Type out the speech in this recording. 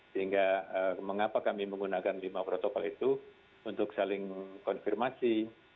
sehingga mengapa kami menggunakan lima protokol itu untuk saling konfirmasi